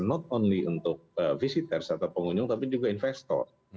note only untuk visitors atau pengunjung tapi juga investor